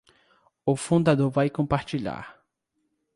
O fundador vai compartilhar